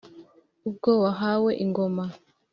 ubwo wahawe ingoma